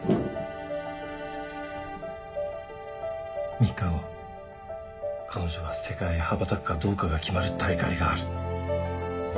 ３日後彼女が世界へ羽ばたくかどうかが決まる大会がある。